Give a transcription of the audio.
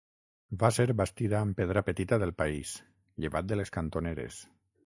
Va ser bastida amb pedra petita del país, llevat de les cantoneres.